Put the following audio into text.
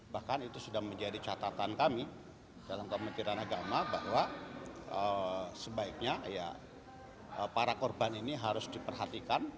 bahkan itu sudah menjadi catatan kami dalam kementerian agama bahwa sebaiknya ya para korban ini harus diperhatikan